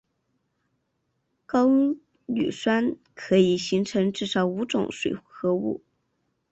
高氯酸可以形成至少五种水合物。